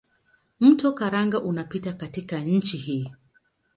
Mto Karanga unapita katika nchi hii.